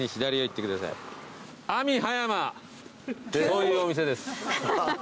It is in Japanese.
そういうお店です！